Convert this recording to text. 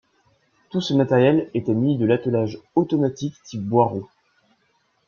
Tout ce matériel était muni de l'attelage automatique type Boirault.